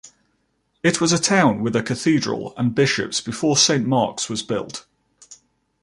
It was a town with a cathedral and bishops before Saint Mark's was built.